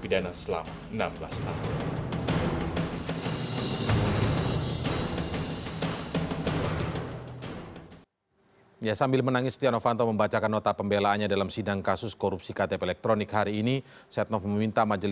dengan pidana selama enam belas tahun